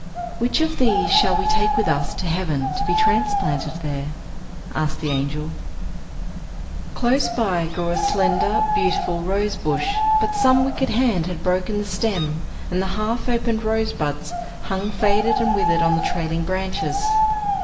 "Which of these shall we take with us to heaven to be transplanted there?" asked the angel. Close by grew a slender, beautiful, rose bush, but some wicked hand had broken the stem, and the half opened rosebuds hung faded and withered on the trailing branches.